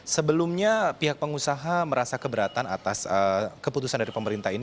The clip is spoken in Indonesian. sebelumnya pihak pengusaha merasa keberatan atas keputusan dari pemerintah ini